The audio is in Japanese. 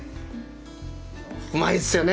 うまいっすよね！